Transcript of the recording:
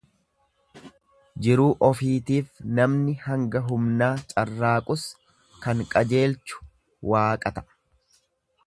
Jiruu ofiitiif namni hanga humnaa carraaqus kan qajeelchu Waaqa ta'a.